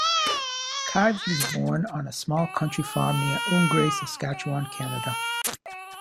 Kives was born on a small country farm near Oungre, Saskatchewan, Canada.